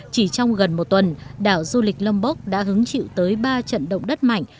chỉ trong gần một tuần đảo du lịch lâmbok đã hứng chịu tới ba trận động đất mạnh